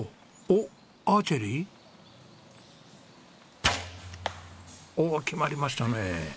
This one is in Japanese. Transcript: おお決まりましたね。